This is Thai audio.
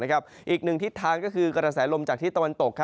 อีกทิศทางก็คือกระแสลมจากที่ตะวันตก